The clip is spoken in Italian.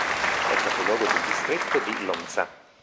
È capoluogo del distretto di Łomża.